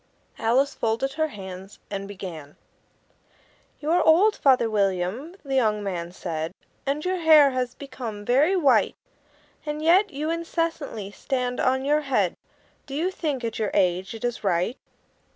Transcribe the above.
Alice folded her hands, and began: "You are old, Father William," the young man said, "And your hair has become very white; And yet you incessantly stand on your head Do you think, at your age, it is right?"